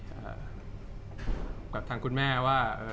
จากความไม่เข้าจันทร์ของผู้ใหญ่ของพ่อกับแม่